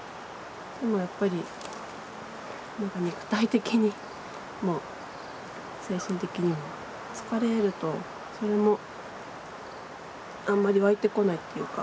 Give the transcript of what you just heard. でもやっぱり肉体的にも精神的にも疲れるとそれもあんまり湧いてこないっていうか。